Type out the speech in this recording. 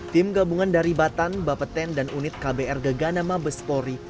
tim gabungan dari batan bapeten dan unit kbr gaganama bespori